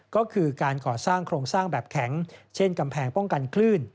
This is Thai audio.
ก็คือการก่อสร้างโครงสร้างแบบแข็งเช่นกำแพงป้องกันคลื่น